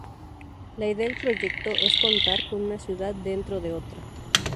La idea del proyecto es contar con una ciudad dentro de otra.